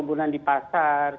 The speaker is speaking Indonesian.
melihat ancol penuh